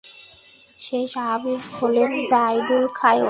সেই সাহাবী হলেন যায়দুল খাইর।